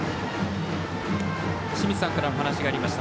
清水さんからお話がありました。